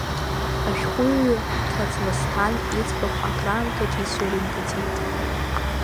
Ашәҟәыҩҩы Ҭаҭласҭан иӡбахә акраамҭагьы ицәыримгаӡеит.